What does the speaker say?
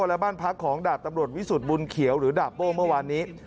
และบ้านพักของดาบตำรวจวิสุทธิ์บุญเขียวหรือดาบโบ้เมื่อวานนี้